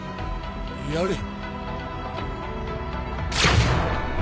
やれ。